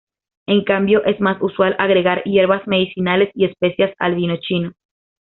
En cambio es más usual agregar hierbas medicinales y especias al vino chino.